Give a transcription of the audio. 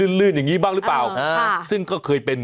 เพราะฉะนั้นเอามาฝากเตือนกันนะครับคุณผู้ชม